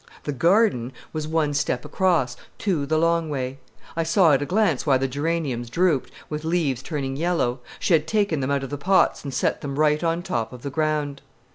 The "garden" was one step across, two the long way. I saw at a glance why the geraniums drooped, with leaves turning yellow. She had taken them out of the pots and set them right on top of the ground.